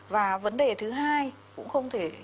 và vấn đề thứ hai cũng không thể